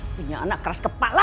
punya anak keras kepala